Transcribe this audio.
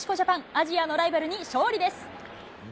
アジアのライバルに勝利です。